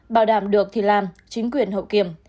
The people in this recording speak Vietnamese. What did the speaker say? bảo đảm được thì làm chính quyền hậu kiểm